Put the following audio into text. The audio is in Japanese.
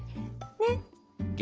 ねっ。